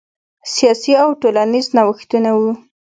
سیاسي او ټولنیز نوښتونه وو.